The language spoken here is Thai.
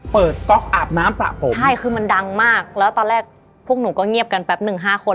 ก๊อกอาบน้ำสระผมใช่คือมันดังมากแล้วตอนแรกพวกหนูก็เงียบกันแป๊บหนึ่งห้าคน